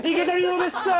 うれしい。